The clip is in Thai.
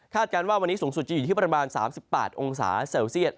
การว่าวันนี้สูงสุดจะอยู่ที่ประมาณ๓๘องศาเซลเซียต